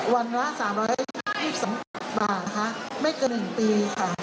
วันละ๓๒๒บาทไม่เกิน๑ปี